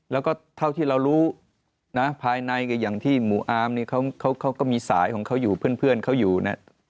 แล้วก็เท่าที่เรารู้นะภายในก็อย่างที่หมู่อาร์มเนี่ยเขาก็มีสายของเขาอยู่เพื่อนเขาอยู่นะ